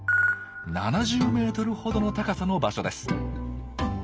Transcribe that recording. ７０ｍほどの高さの場所です。